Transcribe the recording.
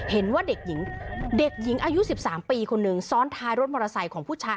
เห็นว่าเด็กหญิงเด็กหญิงอายุ๑๓ปีคนนึงซ้อนท้ายรถมอเตอร์ไซค์ของผู้ชาย